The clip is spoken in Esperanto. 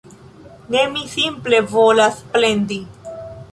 Ne, mi simple volas plendi